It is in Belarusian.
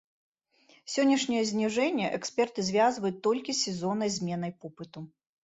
Сённяшняе зніжэнне эксперты звязваюць толькі з сезоннай зменай попыту.